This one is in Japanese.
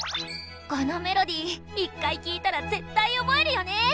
このメロディー１回聴いたら絶対覚えるよね。